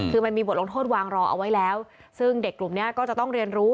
คือมันมีบทลงโทษวางรอเอาไว้แล้วซึ่งเด็กกลุ่มนี้ก็จะต้องเรียนรู้